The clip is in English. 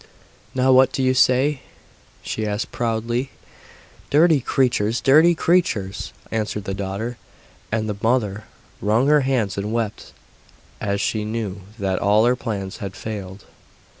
'Now what do you say?' she asked proudly. 'Dirty creatures! dirty creatures!' answered the daughter; and the mother wrung her hands and wept, as she knew that all her plans had failed.